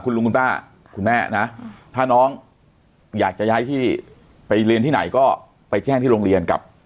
คุณลุงคุณป้าคุณแม่นะถ้าน้องอยากจะย้ายที่ไปเรียนที่ไหนก็ไปแจ้งที่โรงเรียนกับ